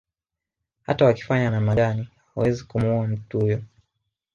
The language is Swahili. Hata wakifanya namna gani hawawezi kumuua mtu huyo